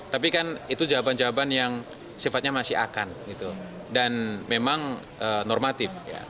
tapi kan itu jawaban jawaban yang sifatnya masih akan dan memang normatif